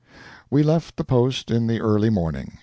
We left the post in the early morning.